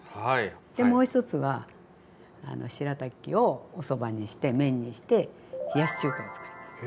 でもう一つはしらたきをおそばにして麺にして冷やし中華をつくります。